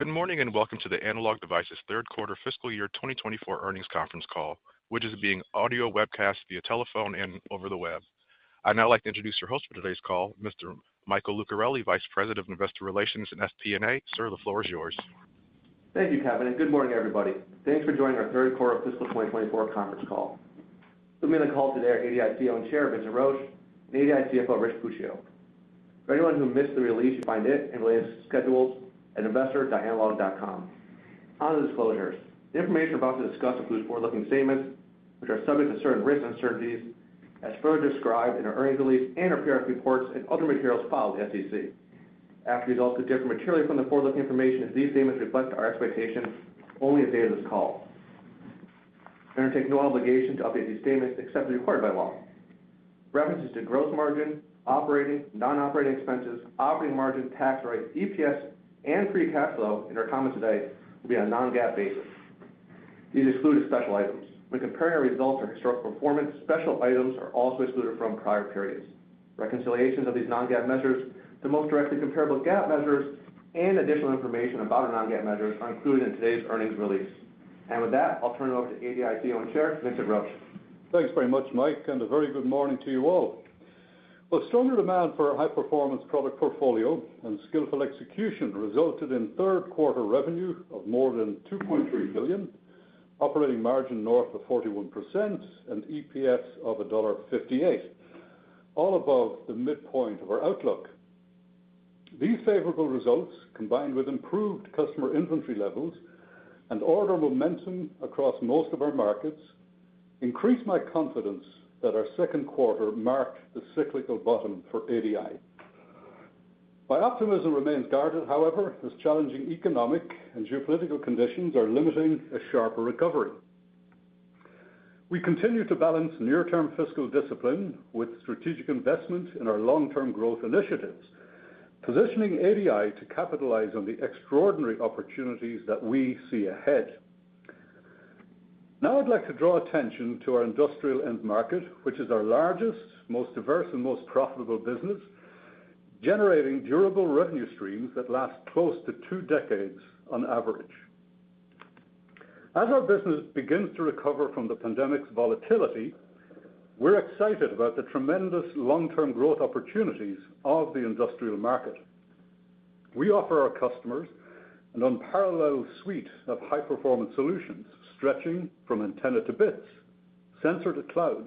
Good morning, and welcome to the Analog Devices Third Quarter Fiscal Year 2024 Earnings Conference Call, which is being audio webcast via telephone and over the web. I'd now like to introduce your host for today's call, Mr. Michael Lucarelli, Vice President of Investor Relations and FP&A. Sir, the floor is yours. Thank you, Kevin, and good morning, everybody. Thanks for joining our third quarter of fiscal 2024 conference call. With me on the call today are ADI CEO and Chair, Vincent Roche, and ADI CFO, Rich Puccio. For anyone who missed the release, you'll find it and related schedules at investor.analog.com. On to the disclosures. The information we're about to discuss includes forward-looking statements, which are subject to certain risks and uncertainties, as further described in our earnings release and our 10-K reports and other materials filed with the SEC. Actual results could differ materially from the forward-looking information, as these statements reflect our expectations only as of this call. We undertake no obligation to update these statements except as required by law. References to gross margin, operating, non-operating expenses, operating margin, tax rates, EPS, and free cash flow in our comments today will be on a non-GAAP basis. These exclude special items. When comparing our results or historical performance, special items are also excluded from prior periods. Reconciliations of these non-GAAP measures to the most directly comparable GAAP measures and additional information about our non-GAAP measures are included in today's earnings release, and with that, I'll turn it over to ADI CEO and Chair, Vincent Roche. Thanks very much, Michael, and a very good morning to you all. Well, stronger demand for our high-performance product portfolio and skillful execution resulted in third quarter revenue of more than $2.3 billion, operating margin north of 41%, and EPS of $1.58, all above the midpoint of our outlook. These favorable results, combined with improved customer inventory levels and order momentum across most of our markets, increase my confidence that our second quarter marked the cyclical bottom for ADI. My optimism remains guarded, however, as challenging economic and geopolitical conditions are limiting a sharper recovery. We continue to balance near-term fiscal discipline with strategic investment in our long-term growth initiatives, positioning ADI to capitalize on the extraordinary opportunities that we see ahead. Now, I'd like to draw attention to our industrial end market, which is our largest, most diverse, and most profitable business, generating durable revenue streams that last close to two decades on average. As our business begins to recover from the pandemic's volatility, we're excited about the tremendous long-term growth opportunities of the industrial market. We offer our customers an unparalleled suite of high-performance solutions, stretching from antenna to bits, sensor to cloud,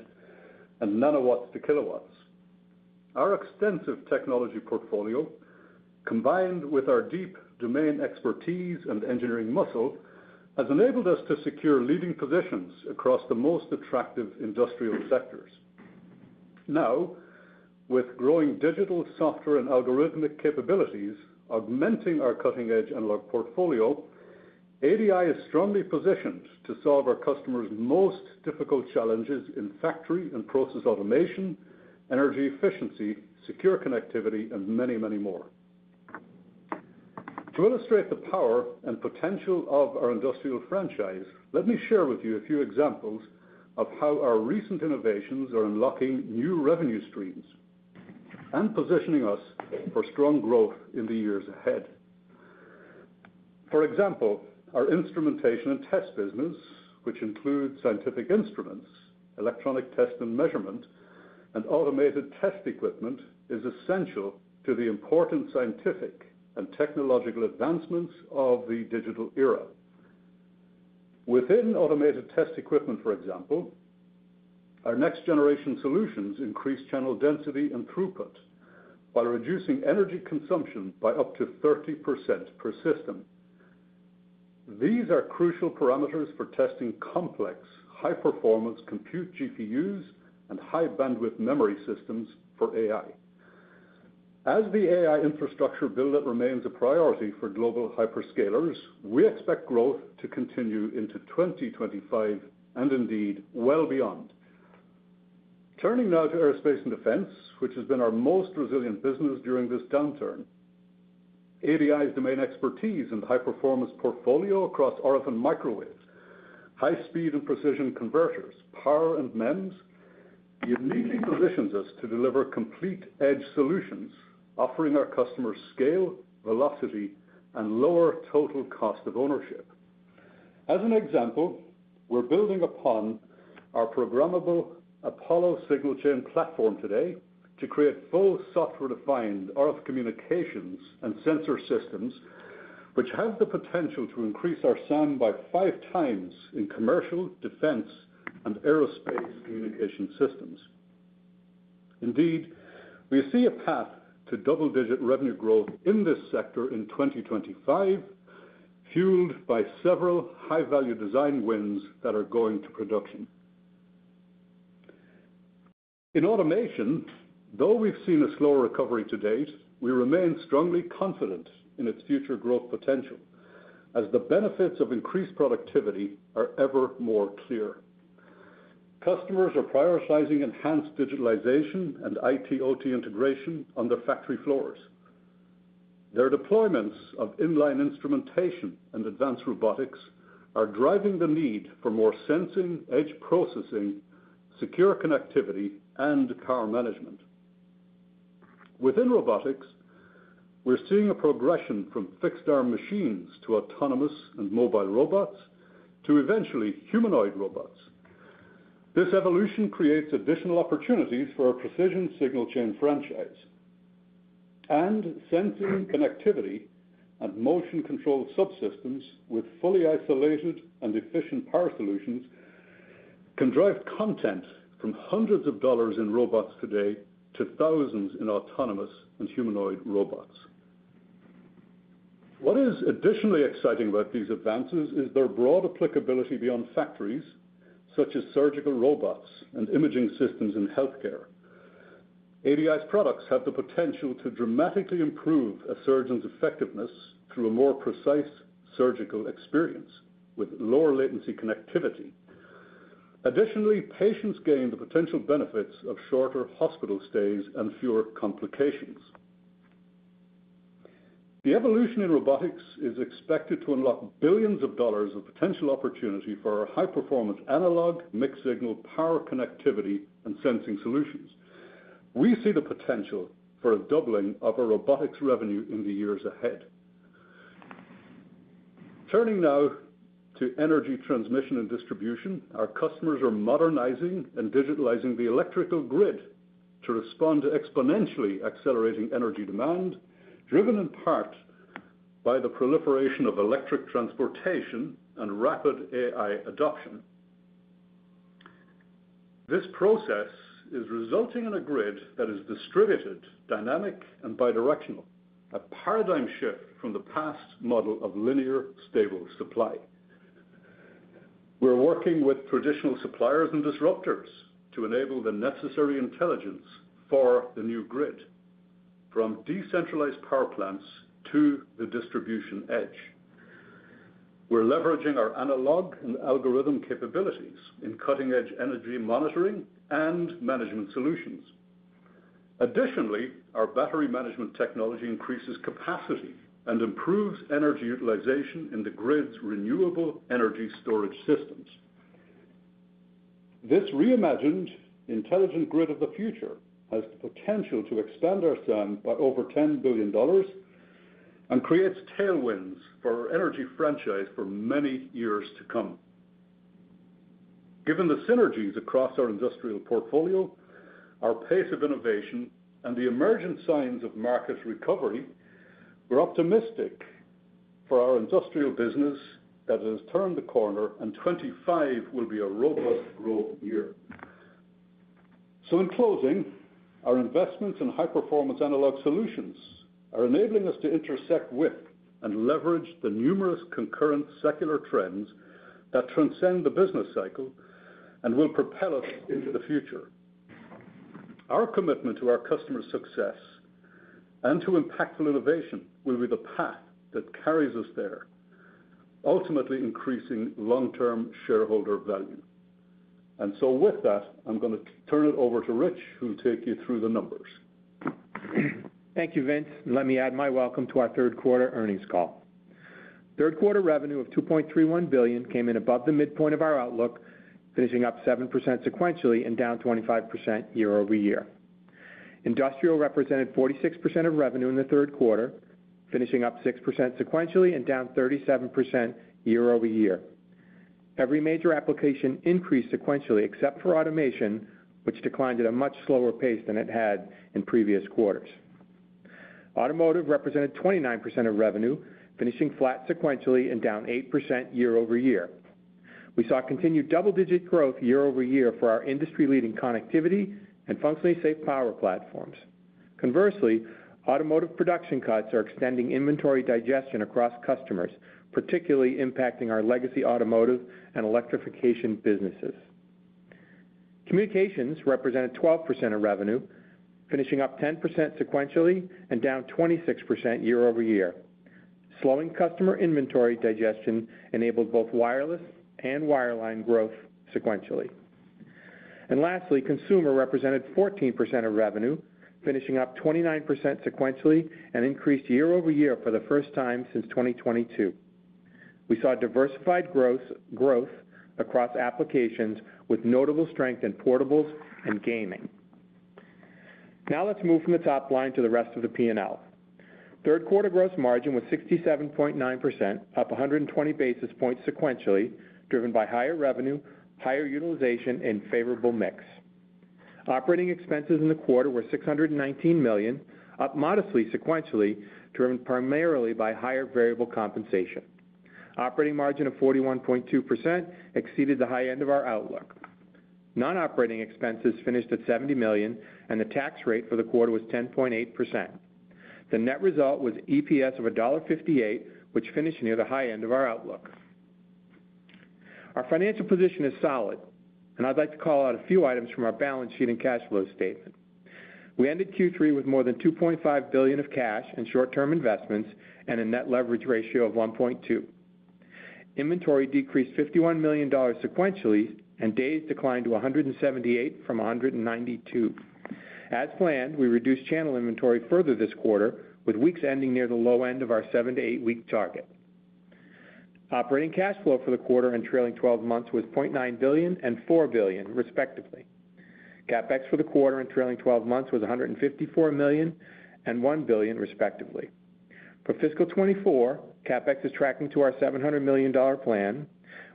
and nanowatts to kilowatts. Our extensive technology portfolio, combined with our deep domain expertise and engineering muscle, has enabled us to secure leading positions across the most attractive industrial sectors. Now, with growing digital software and algorithmic capabilities augmenting our cutting-edge analog portfolio, ADI is strongly positioned to solve our customers' most difficult challenges in factory and process automation, energy efficiency, secure connectivity, and many, many more. To illustrate the power and potential of our industrial franchise, let me share with you a few examples of how our recent innovations are unlocking new revenue streams and positioning us for strong growth in the years ahead. For example, our instrumentation and test business, which includes scientific instruments, electronic test and measurement, and automated test equipment, is essential to the important scientific and technological advancements of the digital era. Within automated test equipment, for example, our next-generation solutions increase channel density and throughput while reducing energy consumption by up to 30% per system. These are crucial parameters for testing complex, high-performance compute GPUs and high-bandwidth memory systems for AI. As the AI infrastructure build-out remains a priority for global hyperscalers, we expect growth to continue into 2025, and indeed well beyond. Turning now to aerospace and defense, which has been our most resilient business during this downturn. ADI's domain expertise and high-performance portfolio across RF and microwaves, high speed and precision converters, power and MEMS, uniquely positions us to deliver complete edge solutions, offering our customers scale, velocity, and lower total cost of ownership. As an example, we're building upon our programmable Apollo signal chain platform today to create full software-defined RF communications and sensor systems, which have the potential to increase our SAM by five times in commercial, defense, and aerospace communication systems. Indeed, we see a path to double-digit revenue growth in this sector in 2025, fueled by several high-value design wins that are going to production. In automation, though we've seen a slower recovery to date, we remain strongly confident in its future growth potential, as the benefits of increased productivity are ever more clear. Customers are prioritizing enhanced digitalization and IT/OT integration on their factory floors. Their deployments of in-line instrumentation and advanced robotics are driving the need for more sensing, edge processing, secure connectivity, and power management... Within robotics, we're seeing a progression from fixed arm machines to autonomous and mobile robots, to eventually humanoid robots. This evolution creates additional opportunities for our precision signal chain franchise, and sensing connectivity and motion control subsystems with fully isolated and efficient power solutions, can drive content from hundreds of dollars in robots today to thousands in autonomous and humanoid robots. What is additionally exciting about these advances is their broad applicability beyond factories, such as surgical robots and imaging systems in healthcare. ADI's products have the potential to dramatically improve a surgeon's effectiveness through a more precise surgical experience with lower latency connectivity. Additionally, patients gain the potential benefits of shorter hospital stays and fewer complications. The evolution in robotics is expected to unlock billions of dollars of potential opportunity for our high-performance analog, mixed signal, power, connectivity, and sensing solutions. We see the potential for a doubling of our robotics revenue in the years ahead. Turning now to energy transmission and distribution, our customers are modernizing and digitalizing the electrical grid to respond to exponentially accelerating energy demand, driven in part by the proliferation of electric transportation and rapid AI adoption. This process is resulting in a grid that is distributed, dynamic, and bidirectional, a paradigm shift from the past model of linear, stable supply. We're working with traditional suppliers and disruptors to enable the necessary intelligence for the new grid, from decentralized power plants to the distribution edge. We're leveraging our analog and algorithm capabilities in cutting-edge energy monitoring and management solutions. Additionally, our battery management technology increases capacity and improves energy utilization in the grid's renewable energy storage systems. This reimagined, intelligent grid of the future has the potential to expand our SAM by over $10 billion and creates tailwinds for our energy franchise for many years to come. Given the synergies across our industrial portfolio, our pace of innovation, and the emergent signs of market recovery, we're optimistic for our industrial business that has turned the corner, and 2025 will be a robust growth year. So in closing, our investments in high-performance analog solutions are enabling us to intersect with and leverage the numerous concurrent secular trends that transcend the business cycle and will propel us into the future. Our commitment to our customers' success and to impactful innovation will be the path that carries us there, ultimately increasing long-term shareholder value. And so with that, I'm gonna turn it over to Rich, who'll take you through the numbers. Thank you, Vince, and let me add my welcome to our third quarter earnings call. Third quarter revenue of $2.31 billion came in above the midpoint of our outlook, finishing up 7% sequentially and down 25% year over year. Industrial represented 46% of revenue in the third quarter, finishing up 6% sequentially and down 37% year-over-year. Every major application increased sequentially, except for automation, which declined at a much slower pace than it had in previous quarters. Automotive represented 29% of revenue, finishing flat sequentially and down 8% year-over-year. We saw continued double-digit growth year over year for our industry-leading connectivity and functionally safe power platforms. Conversely, automotive production cuts are extending inventory digestion across customers, particularly impacting our legacy automotive and electrification businesses. Communications represented 12% of revenue, finishing up 10% sequentially and down 26% year over year. Slowing customer inventory digestion enabled both wireless and wireline growth sequentially. And lastly, consumer represented 14% of revenue, finishing up 29% sequentially and increased year over year for the first time since 2022. We saw diversified growth across applications with notable strength in portables and gaming. Now let's move from the top line to the rest of the P&L. Third quarter gross margin was 67.9%, up 100 basis points sequentially, driven by higher revenue, higher utilization, and favorable mix. Operating expenses in the quarter were $619 million, up modestly sequentially, driven primarily by higher variable compensation. Operating margin of 41.2% exceeded the high end of our outlook. Non-operating expenses finished at $70 million, and the tax rate for the quarter was 10.8%. The net result was EPS of $1.58, which finished near the high end of our outlook. Our financial position is solid, and I'd like to call out a few items from our balance sheet and cash flow statement. We ended Q3 with more than $2.5 billion of cash and short-term investments and a net leverage ratio of 1.2. Inventory decreased $51 million sequentially, and days declined to 178 from 192. As planned, we reduced channel inventory further this quarter, with weeks ending near the low end of our 7- to 8-week target.... Operating cash flow for the quarter and trailing twelve months was $0.9 billion and $4 billion, respectively. CapEx for the quarter and trailing twelve months was $154 million and $1 billion, respectively. For fiscal 2024, CapEx is tracking to our $700 million plan,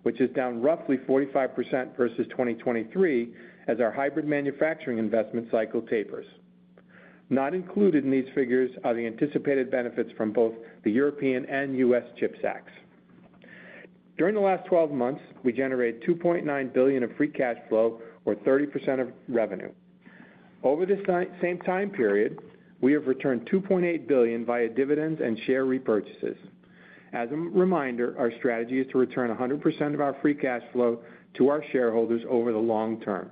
which is down roughly 45% versus 2023, as our hybrid manufacturing investment cycle tapers. Not included in these figures are the anticipated benefits from both the European and U.S. Chips Acts. During the last twelve months, we generated $2.9 billion of free cash flow, or 30% of revenue. Over this same time period, we have returned $2.8 billion via dividends and share repurchases. As a reminder, our strategy is to return 100% of our free cash flow to our shareholders over the long term.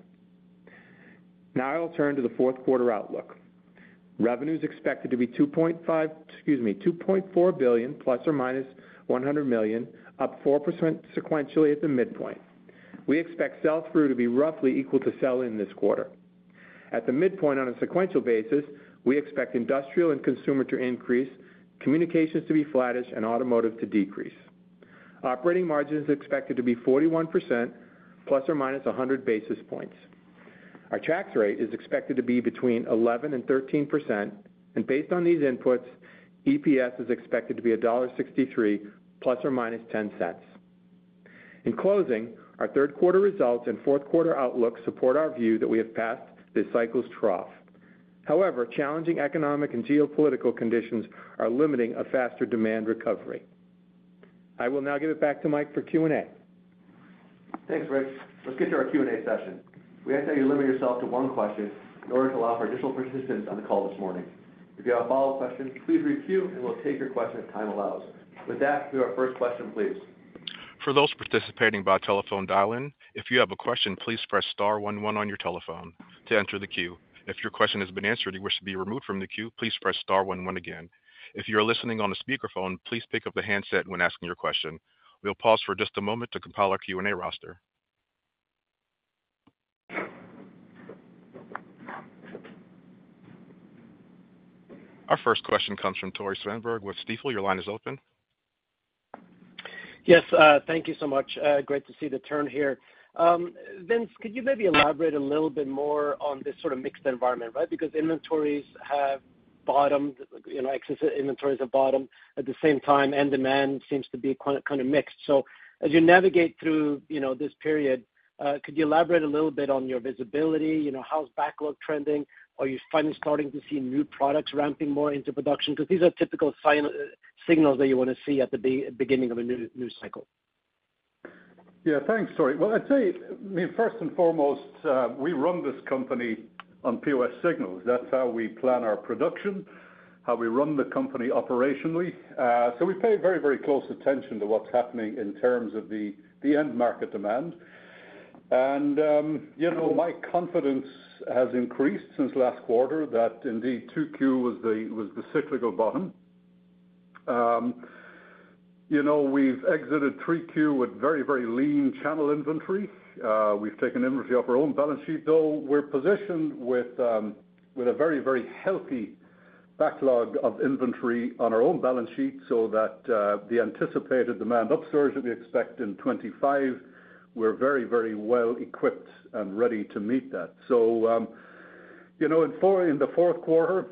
Now I'll turn to the fourth quarter outlook. Revenue is expected to be $2.5 billion, excuse me, $2.4 billion, plus or minus $100 million, up 4% sequentially at the midpoint. We expect sell-through to be roughly equal to sell-in this quarter. At the midpoint on a sequential basis, we expect industrial and consumer to increase, communications to be flattish, and automotive to decrease. Operating margin is expected to be 41% plus or minus 100 basis points. Our tax rate is expected to be between 11% and 13%, and based on these inputs, EPS is expected to be $1.63, plus or minus $0.10. In closing, our third quarter results and fourth quarter outlook support our view that we have passed this cycle's trough. However, challenging economic and geopolitical conditions are limiting a faster demand recovery. I will now give it back to Mike for Q&A. Thanks, Rich. Let's get to our Q&A session. We ask that you limit yourself to one question in order to allow for additional participants on the call this morning. If you have a follow-up question, please re-queue, and we'll take your question if time allows. With that, do our first question, please. For those participating by telephone dial-in, if you have a question, please press star one one on your telephone to enter the queue. If your question has been answered, and you wish to be removed from the queue, please press star one one again. If you are listening on a speakerphone, please pick up the handset when asking your question. We'll pause for just a moment to compile our Q&A roster. Our first question comes from Tore Svanberg with Stifel. Your line is open. Yes, thank you so much. Great to see the turn here. Vince, could you maybe elaborate a little bit more on this sort of mixed environment, right? Because inventories have bottomed, you know, excess inventories have bottomed at the same time, and demand seems to be kind of mixed. So as you navigate through, you know, this period, could you elaborate a little bit on your visibility? You know, how's backlog trending? Are you finally starting to see new products ramping more into production? Because these are typical signals that you want to see at the beginning of a new cycle. Yeah, thanks, Tore. Well, I'd say, I mean, first and foremost, we run this company on POS signals. That's how we plan our production, how we run the company operationally. So we pay very, very close attention to what's happening in terms of the end market demand. And, you know, my confidence has increased since last quarter, that indeed, 2Q was the cyclical bottom. You know, we've exited 3Q with very, very lean channel inventory. We've taken inventory off our own balance sheet, though we're positioned with a very, very healthy backlog of inventory on our own balance sheet, so that the anticipated demand upsurge that we expect in 2025, we're very, very well equipped and ready to meet that. So, you know, in the fourth quarter,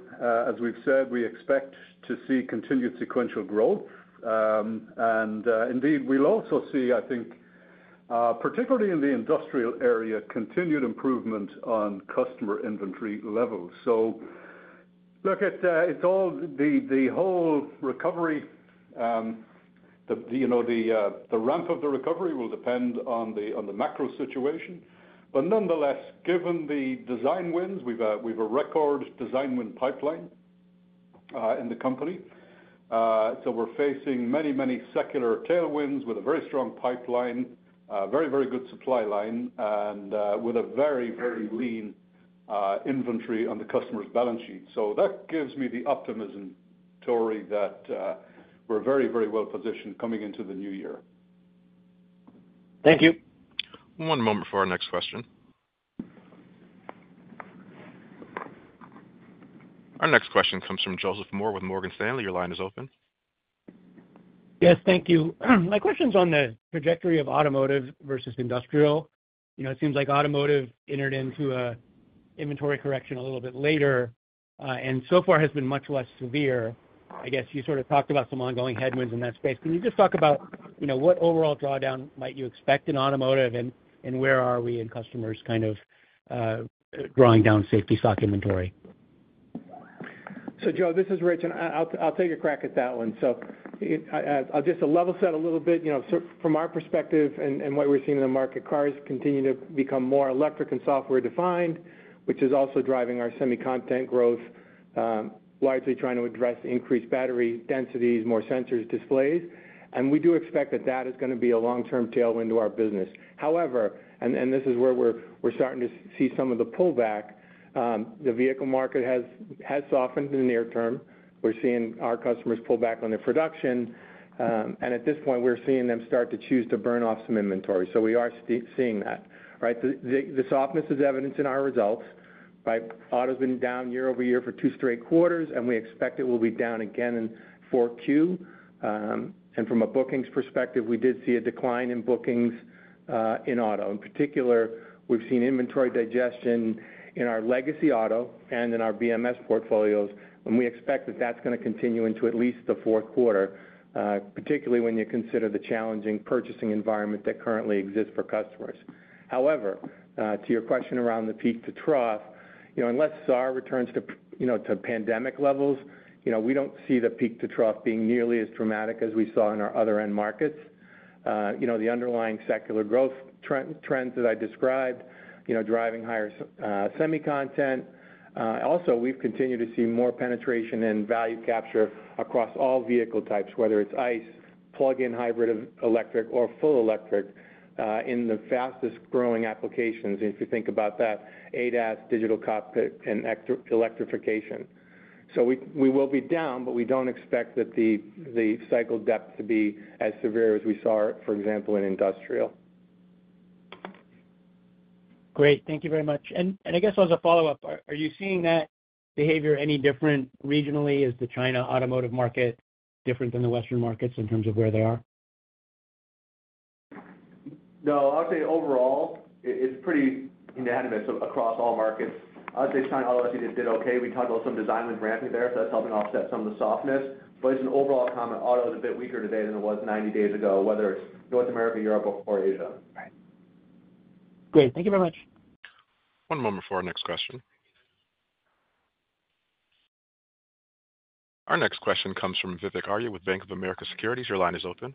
as we've said, we expect to see continued sequential growth. Indeed, we'll also see, I think, particularly in the industrial area, continued improvement on customer inventory levels. So it's the whole recovery, you know, the ramp of the recovery will depend on the macro situation. But nonetheless, given the design wins, we've a record design win pipeline in the company. So we're facing many, many secular tailwinds with a very strong pipeline, very, very good supply line, and with a very, very lean inventory on the customer's balance sheet. So that gives me the optimism, Tore, that we're very, very well positioned coming into the new year. Thank you. One moment for our next question. Our next question comes from Joseph Moore with Morgan Stanley. Your line is open. Yes, thank you. My question's on the trajectory of automotive versus industrial. You know, it seems like automotive entered into an inventory correction a little bit later, and so far has been much less severe. I guess you sort of talked about some ongoing headwinds in that space. Can you just talk about, you know, what overall drawdown might you expect in automotive, and where are we in customers kind of drawing down safety stock inventory? So, Joe, this is Rich, and I'll take a crack at that one. So, just to level set a little bit, you know, so from our perspective and what we're seeing in the market, cars continue to become more electric and software-defined, which is also driving our semiconductor content growth, largely trying to address increased battery densities, more sensors, displays. And we do expect that that is gonna be a long-term tailwind to our business. However, and this is where we're starting to see some of the pullback, the vehicle market has softened in the near term. We're seeing our customers pull back on their production, and at this point, we're seeing them start to choose to burn off some inventory. So we are seeing that, right? The softness is evidenced in our results. Right, auto's been down year over year for two straight quarters, and we expect it will be down again in four Q. And from a bookings perspective, we did see a decline in bookings in auto. In particular, we've seen inventory digestion in our legacy auto and in our BMS portfolios, and we expect that that's gonna continue into at least the fourth quarter, particularly when you consider the challenging purchasing environment that currently exists for customers. However, to your question around the peak to trough, you know, unless SAR returns to, you know, to pandemic levels, you know, we don't see the peak to trough being nearly as dramatic as we saw in our other end markets. You know, the underlying secular growth trends that I described, you know, driving higher, semi content. Also, we've continued to see more penetration and value capture across all vehicle types, whether it's ICE, plug-in hybrid, electric or full electric, in the fastest growing applications, if you think about that, ADAS, digital cockpit and electrification. So we will be down, but we don't expect the cycle depth to be as severe as we saw, for example, in industrial. Great. Thank you very much. And I guess as a follow-up, are you seeing that behavior any different regionally? Is the China automotive market different than the Western markets in terms of where they are? No, I'd say overall, it's pretty unanimous across all markets. I'd say China obviously just did okay. We talked about some design win ramping there, so that's helping offset some of the softness. But as an overall comment, auto is a bit weaker today than it was ninety days ago, whether it's North America, Europe, or Asia. Right. Great, thank you very much. One moment before our next question. Our next question comes from Vivek Arya with Bank of America Securities. Your line is open.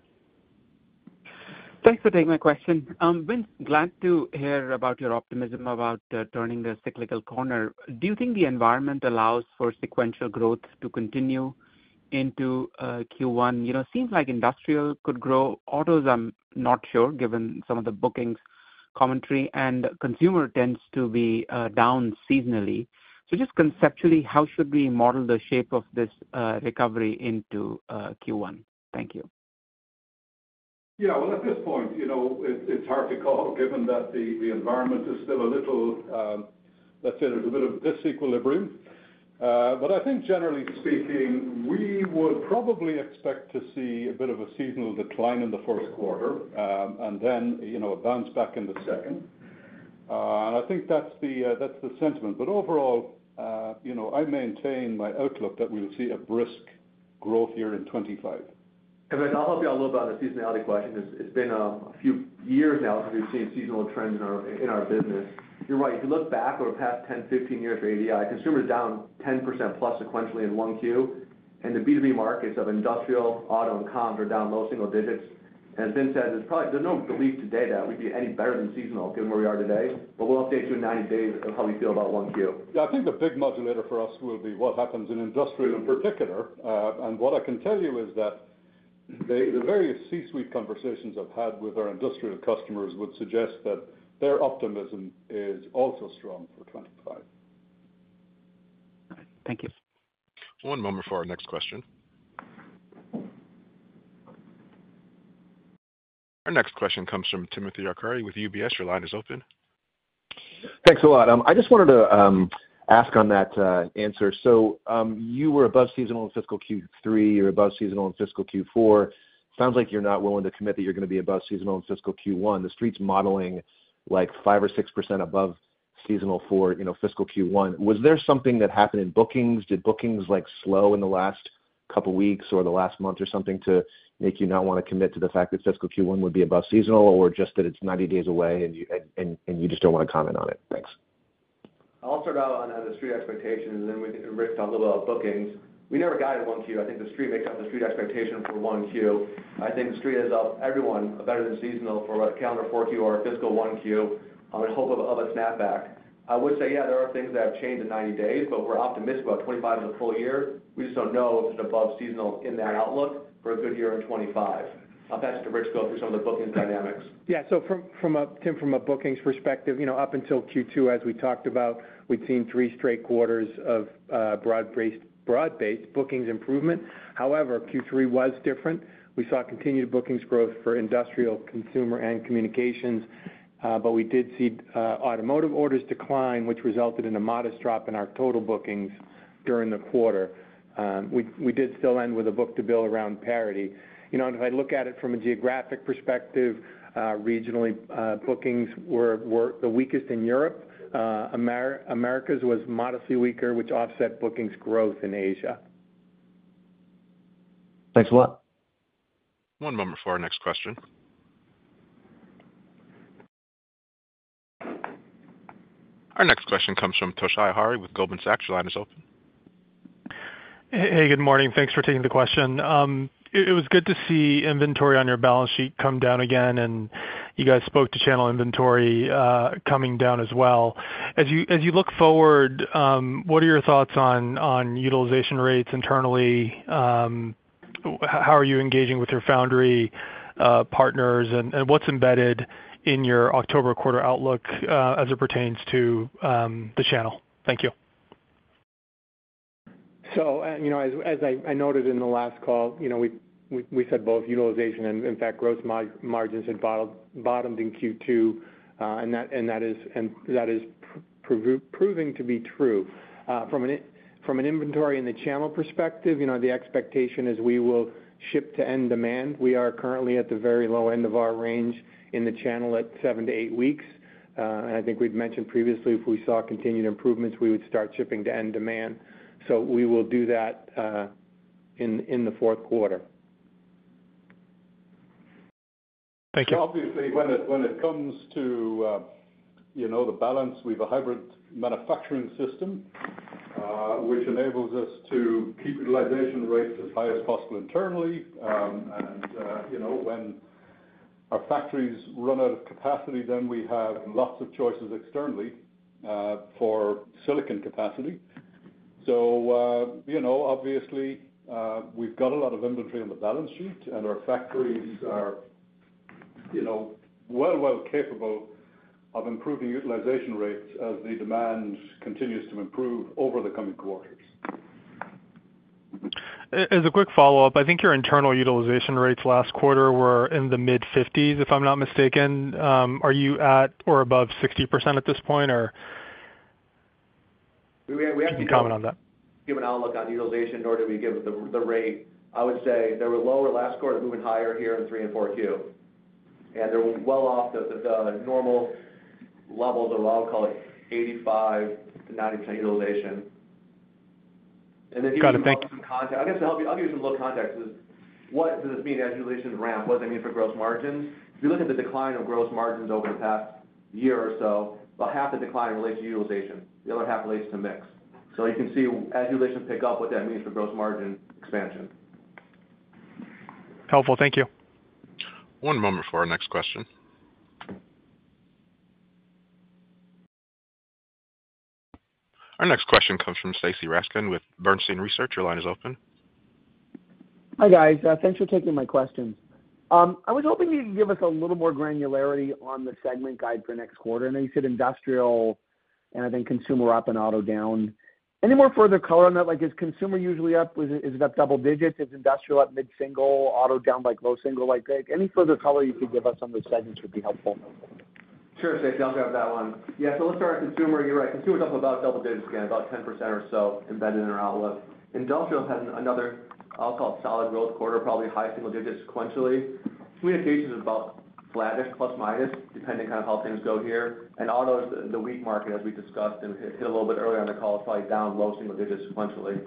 Thanks for taking my question. Vince, glad to hear about your optimism about turning the cyclical corner. Do you think the environment allows for sequential growth to continue into Q1? You know, seems like industrial could grow. Autos, I'm not sure, given some of the bookings commentary, and consumer tends to be down seasonally. So just conceptually, how should we model the shape of this recovery into Q1? Thank you. Yeah, well, at this point, you know, it's hard to call, given that the environment is still a little, let's say there's a bit of disequilibrium, but I think generally speaking, we would probably expect to see a bit of a seasonal decline in the first quarter, and then, you know, a bounce back in the second, and I think that's the sentiment, but overall, you know, I maintain my outlook that we will see a brisk growth year in 2025. And then I'll help you a little about the seasonality question. It's been a few years now since we've seen seasonal trends in our business. You're right. If you look back over the past 10, 15 years for ADI, consumer is down 10% plus sequentially in one Q, and the B2B markets of industrial, auto, and comms are down low single digits. As Vince said, there's probably no belief today that we'd be any better than seasonal, given where we are today, but we'll update you in 90 days of how we feel about one Q. Yeah, I think the big modulator for us will be what happens in industrial in particular, and what I can tell you is that the various C-suite conversations I've had with our industrial customers would suggest that their optimism is also strong for 2025. All right. Thank you. One moment for our next question. Our next question comes from Timothy Arcuri with UBS. Your line is open. Thanks a lot. I just wanted to ask on that answer. So, you were above seasonal in fiscal Q3, you're above seasonal in fiscal Q4. Sounds like you're not willing to commit that you're gonna be above seasonal in fiscal Q1. The Street's modeling, like, 5 or 6% above seasonal for, you know, fiscal Q1. Was there something that happened in bookings? Did bookings, like, slow in the last couple weeks or the last month or something, to make you not want to commit to the fact that fiscal Q1 would be above seasonal, or just that it's ninety days away, and you just don't want to comment on it? Thanks. I'll start out on the Street expectations, and then we can bring Rich on a little about bookings. We never guide in one Q. I think the Street makes up the Street expectation for one Q. I think the Street has up everyone better than seasonal for a calendar four Q or a fiscal one Q, in hope of a snapback. I would say, yeah, there are things that have changed in ninety days, but we're optimistic about 2025 as a full year. We just don't know if it's above seasonal in that outlook for a good year in 2025. I'll pass it to Rich, go through some of the bookings dynamics. Yeah, so Tim, from a bookings perspective, you know, up until Q2, as we talked about, we'd seen three straight quarters of broad-based bookings improvement. However, Q3 was different. We saw continued bookings growth for industrial, consumer, and communications, but we did see automotive orders decline, which resulted in a modest drop in our total bookings during the quarter. We did still end with a book-to-bill around parity. You know, and if I look at it from a geographic perspective, regionally, bookings were the weakest in Europe. Americas was modestly weaker, which offset bookings growth in Asia. Thanks a lot. One moment for our next question. Our next question comes from Toshiya Hari with Goldman Sachs. Your line is open. Hey, good morning. Thanks for taking the question. It was good to see inventory on your balance sheet come down again, and you guys spoke to channel inventory coming down as well. As you look forward, what are your thoughts on utilization rates internally? How are you engaging with your foundry partners, and what's embedded in your October quarter outlook as it pertains to the channel? Thank you. ... So, you know, as I noted in the last call, you know, we said both utilization and, in fact, gross margins had bottomed in Q2, and that is proving to be true. From an inventory and the channel perspective, you know, the expectation is we will ship to end demand. We are currently at the very low end of our range in the channel at seven to eight weeks. And I think we've mentioned previously, if we saw continued improvements, we would start shipping to end demand. So we will do that in the fourth quarter. Thank you. Obviously, when it comes to, you know, the balance, we have a hybrid manufacturing system, which enables us to keep utilization rates as high as possible internally. And, you know, when our factories run out of capacity, then we have lots of choices externally, for silicon capacity. So, you know, obviously, we've got a lot of inventory on the balance sheet, and our factories are, you know, well, well capable of improving utilization rates as the demand continues to improve over the coming quarters. As a quick follow-up, I think your internal utilization rates last quarter were in the mid-fifties, if I'm not mistaken. Are you at or above 60% at this point, or? We have to- If you can comment on that. give an outlook on utilization, nor do we give the rate. I would say they were lower last quarter, moving higher here in the Q3 and Q4. They're well below the normal levels of. I'll call it 85 to 95 utilization. Got it. Thank you. And then, I guess, to help you, I'll give you some little context. What does this mean as utilization ramp? What does it mean for gross margins? If you look at the decline of gross margins over the past year or so, about half the decline relates to utilization, the other half relates to mix. So you can see as utilization pick up, what that means for gross margin expansion. Helpful. Thank you. One moment for our next question. Our next question comes from Stacy Rasgon with Bernstein Research. Your line is open. Hi, guys, thanks for taking my questions. I was hoping you could give us a little more granularity on the segment guide for next quarter. I know you said industrial and I think consumer up and auto down. Any more further color on that? Like, is consumer usually up? Is it up double digits? Is industrial up mid-single, auto down, like, low single, like that? Any further color you could give us on those segments would be helpful. Sure, Stacy, I'll grab that one. Yeah, so let's start with consumer. You're right, consumer is up about double digits, again, about 10% or so embedded in our outlook. Industrial has another, I'll call it, solid growth quarter, probably high single digits sequentially. Communications is about flattish, plus, minus, depending on kind of how things go here. And auto is the weak market, as we discussed, and it hit a little bit earlier on the call, probably down low single digits sequentially.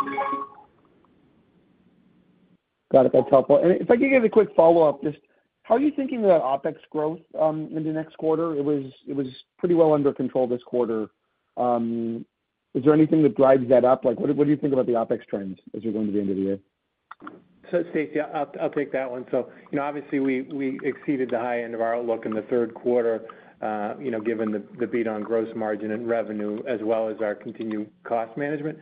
Got it. That's helpful. And if I could get a quick follow-up, just how are you thinking about OpEx growth in the next quarter? It was pretty well under control this quarter. Is there anything that drives that up? Like, what do you think about the OpEx trends as we go into the end of the year? So Stacy, I'll take that one. So you know, obviously, we exceeded the high end of our outlook in the third quarter, you know, given the beat on gross margin and revenue, as well as our continued cost management.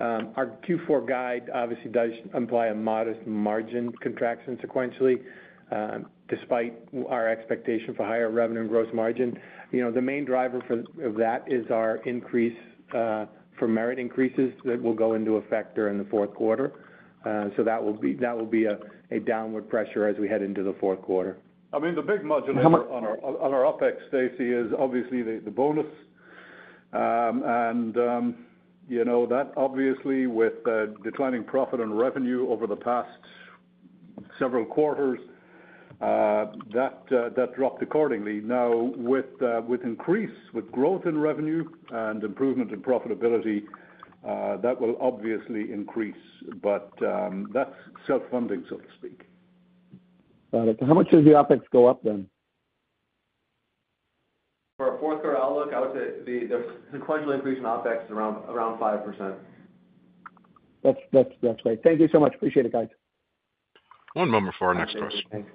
Our Q4 guide obviously does imply a modest margin contraction sequentially, despite our expectation for higher revenue and gross margin. You know, the main driver of that is our increase for merit increases that will go into effect during the fourth quarter. So that will be a downward pressure as we head into the fourth quarter. I mean, the big modulator- How much- on our OpEx, Stacy, is obviously the bonus. And you know, that obviously, with the declining profit and revenue over the past several quarters, that dropped accordingly. Now, with growth in revenue and improvement in profitability, that will obviously increase, but that's self-funding, so to speak. Got it. How much does the OpEx go up then? For our fourth quarter outlook, I would say the sequential increase in OpEx is around 5%. That's great. Thank you so much. Appreciate it, guys. One moment for our next question. Thank you.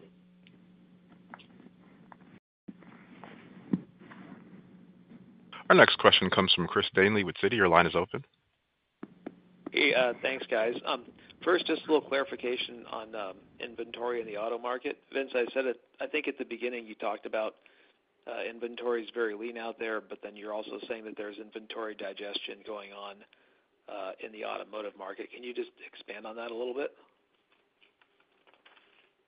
Our next question comes from Chris Danely with Citi. Your line is open. Hey, thanks, guys. First, just a little clarification on inventory in the auto market. Vince, I said it, I think at the beginning, you talked about inventory is very lean out there, but then you're also saying that there's inventory digestion going on in the automotive market. Can you just expand on that a little bit?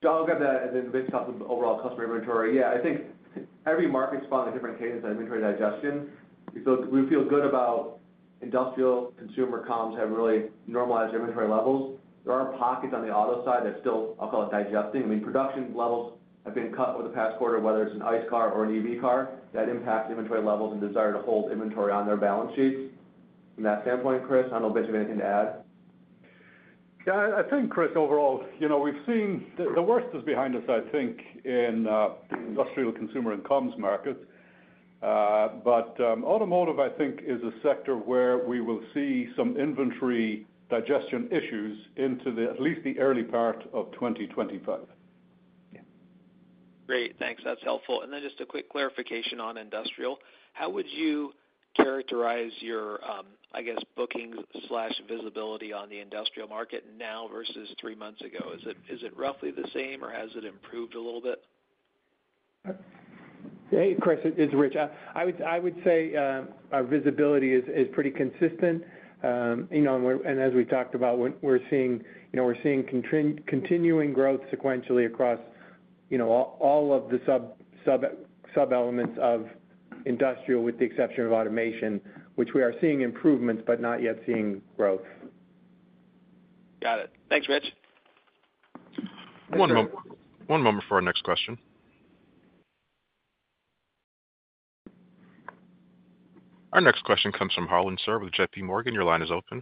Yeah, I'll get that and then Vince, talk about overall customer inventory. Yeah, I think every market's got a different cadence on inventory digestion. Because we feel good about industrial, consumer, comms have really normalized inventory levels. There are pockets on the auto side that still, I'll call it, digesting. I mean, production levels have been cut over the past quarter, whether it's an ICE car or an EV car. That impacts inventory levels and desire to hold inventory on their balance sheets. From that standpoint, Chris, I don't know, Vince, if you have anything to add. Yeah, I think, Chris, overall, you know, we've seen the worst is behind us, I think, in the industrial, consumer, and comms markets. But, automotive, I think, is a sector where we will see some inventory digestion issues into at least the early part of 2025. Yeah. Great. Thanks, that's helpful. And then just a quick clarification on industrial. How would you characterize your, I guess, bookings/visibility on the industrial market now versus three months ago? Is it roughly the same, or has it improved a little bit?... Hey, Chris, it's Rich. I would say our visibility is pretty consistent. You know, and as we talked about, we're seeing, you know, we're seeing continuing growth sequentially across all of the sub-elements of industrial, with the exception of automation, which we are seeing improvements but not yet seeing growth. Got it. Thanks, Rich. One moment. One moment for our next question. Our next question comes from Harlan Sur with J.P. Morgan. Your line is open.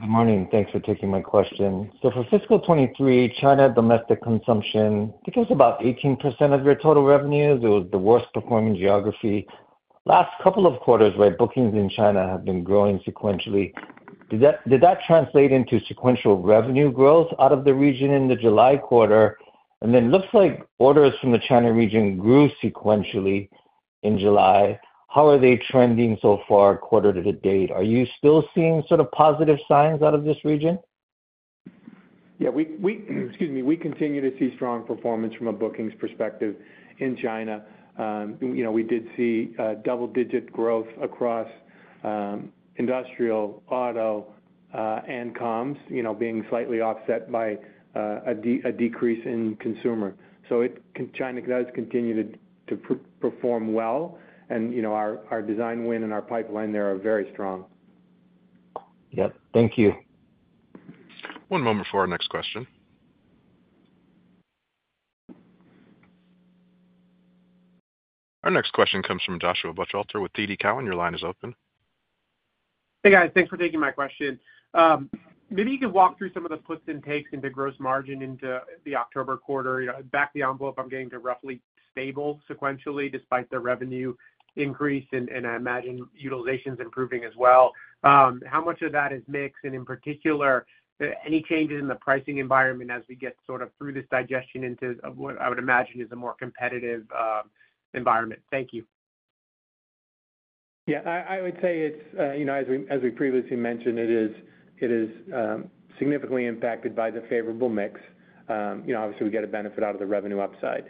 Good morning, and thanks for taking my question. So for fiscal 2023, China domestic consumption, I think it was about 18% of your total revenues. It was the worst performing geography. Last couple of quarters, right, bookings in China have been growing sequentially. Did that translate into sequential revenue growth out of the region in the July quarter? And then looks like orders from the China region grew sequentially in July. How are they trending so far quarter to date? Are you still seeing sort of positive signs out of this region? Yeah, excuse me, we continue to see strong performance from a bookings perspective in China. You know, we did see double-digit growth across industrial, auto, and comms, you know, being slightly offset by a decrease in consumer. So China does continue to perform well, and you know, our design win and our pipeline there are very strong. Yep. Thank you. One moment for our next question. Our next question comes from Joshua Buchalter with TD Cowen. Your line is open. Hey, guys. Thanks for taking my question. Maybe you could walk through some of the puts and takes into gross margin into the October quarter. You know, back of the envelope, I'm getting to roughly stable sequentially, despite the revenue increase, and I imagine utilization's improving as well. How much of that is mix? And in particular, any changes in the pricing environment as we get sort of through this digestion of what I would imagine is a more competitive environment. Thank you. Yeah, I would say it's, you know, as we previously mentioned, it is significantly impacted by the favorable mix. You know, obviously, we get a benefit out of the revenue upside.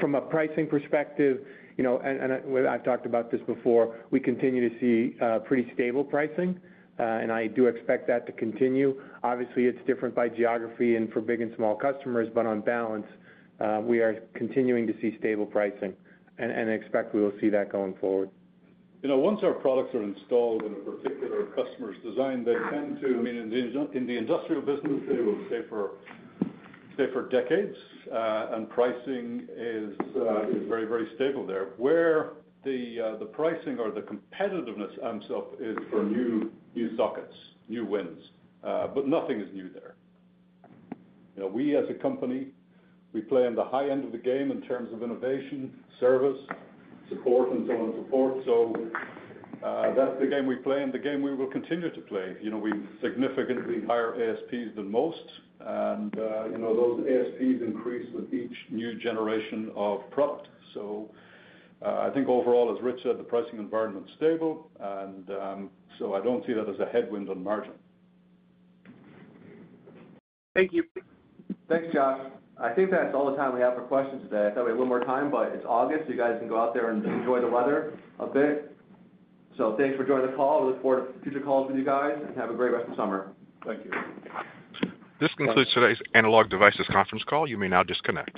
From a pricing perspective, you know, and I've talked about this before, we continue to see pretty stable pricing, and I do expect that to continue. Obviously, it's different by geography and for big and small customers, but on balance, we are continuing to see stable pricing and expect we will see that going forward. You know, once our products are installed in a particular customer's design, they tend to... I mean, in the industrial business, they will stay for decades, and pricing is very, very stable there. Where the pricing or the competitiveness amps up is for new sockets, new wins, but nothing is new there. You know, we as a company, we play on the high end of the game in terms of innovation, service, support, and so on and so forth. So, that's the game we play, and the game we will continue to play. You know, we significantly higher ASPs than most, and, you know, those ASPs increase with each new generation of product. So, I think overall, as Rich said, the pricing environment's stable, and, so I don't see that as a headwind on margin. Thank you. Thanks, Josh. I think that's all the time we have for questions today. I thought we had a little more time, but it's August, so you guys can go out there and enjoy the weather a bit. So thanks for joining the call. We look forward to future calls with you guys, and have a great rest of summer. Thank you. This concludes today's Analog Devices conference call. You may now disconnect.